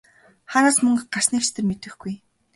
Хаанаас мөнгө гарсныг ч тэр мэдэхгүй!